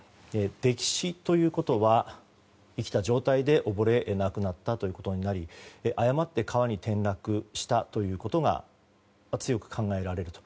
溺死ということは生きた状態で溺れ亡くなったということになり誤って川に転落したということが強く考えられると。